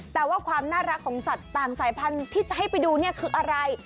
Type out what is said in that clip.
แต่ว่าความน่ารักของสัตว์ต่างสายพันธุ์ที่จะให้ไปดูเนี่ยคืออะไร